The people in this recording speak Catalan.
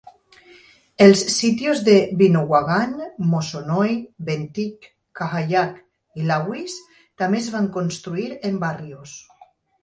Els "sitios" de Binogawan, Masonoy, Bentig, Cahayag, i Lawis també es van constituir en "barrios".